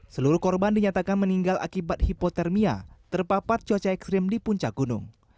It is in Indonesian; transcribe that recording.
seluruh korban dinyatakan meninggal akibat hipotermia terpapat cuaca ekstrim di puncak gunung